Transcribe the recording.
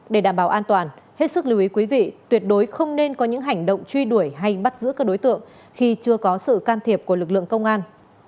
để đảm bảo an toàn hết sức lưu ý quý vị tuyệt đối không nên có những hành động truy đuổi hay bắt giữ các đối tượng khi chưa có sự can thiệp của lực lượng công an